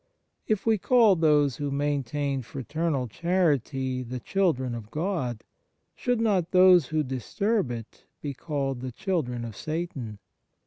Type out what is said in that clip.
If we call those who maintain fraternal charity the children of God, should not those who disturb it be called the children of Satan